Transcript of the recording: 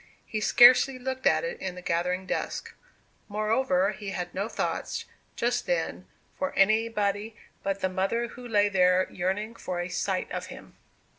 He scarcely looked at it in the gathering dusk; moreover he had no thoughts, just then, for anybody but the mother who lay there yearning for a sight of him.